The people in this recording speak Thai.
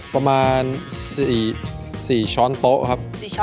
ประมาณ๔ช้อนโต๊ะครับ